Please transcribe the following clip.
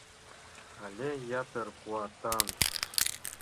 але ятыр куатан: